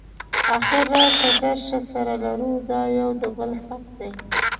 اخر راشه درشه سره لرو دا یو د بل حق دی.